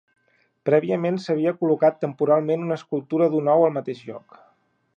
Prèviament s'havia col·locat temporalment una escultura d'un ou al mateix lloc.